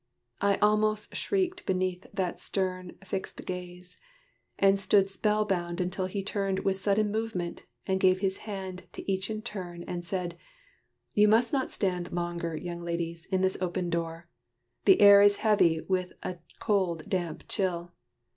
I almost shrieked beneath That stern, fixed gaze; and stood spellbound until He turned with sudden movement, gave his hand To each in turn, and said, "You must not stand Longer, young ladies, in this open door. The air is heavy with a cold damp chill.